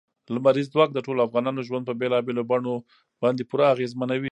لمریز ځواک د ټولو افغانانو ژوند په بېلابېلو بڼو باندې پوره اغېزمنوي.